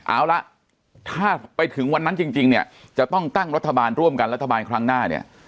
เอาละถ้าไปถึงวันนั้นจริงเนี่ยจะต้องตั้งรัฐบาลร่วมกันรัฐบาลครั้งหน้าเนี่ย